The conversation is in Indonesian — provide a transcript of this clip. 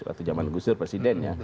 waktu zaman gusur presiden ya